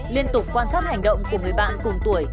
liên tục quan sát hành động của người bạn cùng tuổi